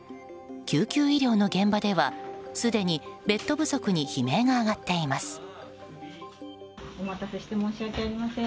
救急医療の現場ではすでにベッド不足に悲鳴が上がっています。